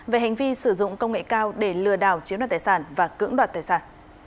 về hành vi sử dụng công nghệ cao để lừa đảo chiếm đoạt tài sản và cưỡng đoạt tài sản